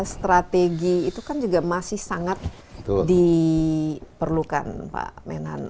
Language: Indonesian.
strategi itu kan juga masih sangat diperlukan pak menhan